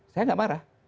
saya nggak marah